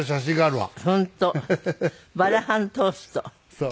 そう。